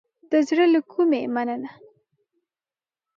د زړه له کومې مننه